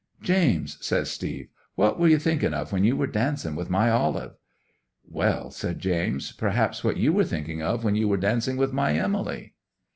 '"James," says Steve, "what were you thinking of when you were dancing with my Olive?" '"Well," said James, "perhaps what you were thinking of when you were dancing with my Emily."